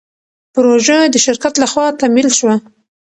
پروژه د شرکت له خوا تمویل شوه.